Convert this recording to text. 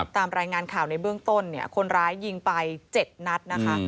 ตามรายงานข่าวในเบื้องต้นเนี่ยคนร้ายยิงไป๗นัดนะคะ